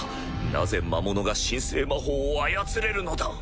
なぜ魔物が神聖魔法を操れるのだ！